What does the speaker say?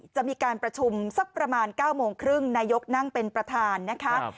จะมีการประชุมสักประมาณ๙โมงครึ่งนายกนั่งเป็นประธานนะคะ